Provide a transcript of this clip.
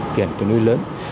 tiền tương đối lớn